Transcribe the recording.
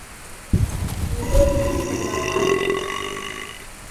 ویده ذهن له واقعیت نه تښتي